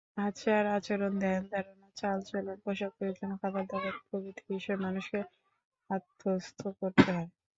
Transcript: আচার-আচরণ, ধ্যান-ধারণা, চালচলন, পোশাক-পরিচ্ছদ, খাবারদাবার প্রভৃতি বিষয় মানুষকে আত্মস্থ করতে হয়।